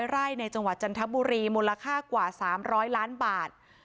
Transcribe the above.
ไร่ในจังหวัดจันทบุรีมูลค่ากว่า๓๐๐ล้านบาท